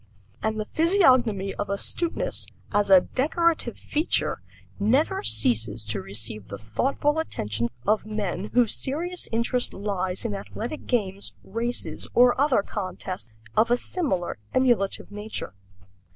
And the physiognomy of astuteness, as a decorative feature, never ceases to receive the thoughtful attention of men whose serious interest lies in athletic games, races, or other contests of a similar emulative nature.